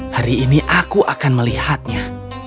hari ini aku akan melihatnya